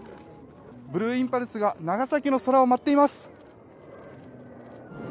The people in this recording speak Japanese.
ブルーインパルスが長崎の空を舞っています。